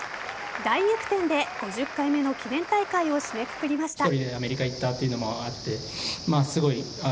大逆転で５０回目の記念大会を締めくくりました。